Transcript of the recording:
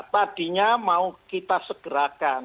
tadinya mau kita segerakan